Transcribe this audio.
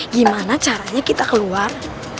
gimana caranya kita keluar